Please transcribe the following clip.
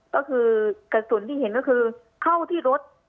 ก็คือกระสุนที่เห็นก็คือเข้าที่รถ